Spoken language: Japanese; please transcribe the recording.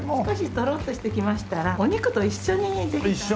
少しトロッとしてきましたらお肉と一緒にぜひ。